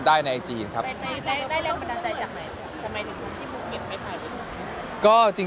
ได้แรงประดันใจจากไหนทำไมถึงที่ภูเก็ตไหมครับ